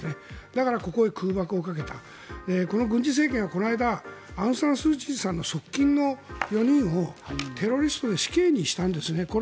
だから、ここに攻撃をかけた軍事政権はこの間アウンサンスーチーさんの側近の４人をテロリストで死刑にしたんですね。